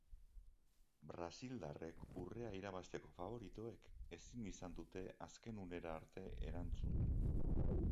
Brasildarrek, urrea irabazteko faboritoek, ezin izan dute azken unera arte erantzun.